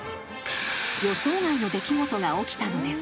［予想外の出来事が起きたのです］